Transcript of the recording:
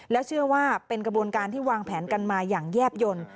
เชื่อว่าเป็นกระบวนการที่วางแผนกันมาอย่างแยบยนต์